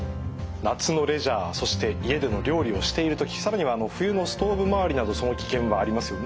夏のレジャーそして家での料理をしている時更には冬のストーブまわりなどその危険はありますよね。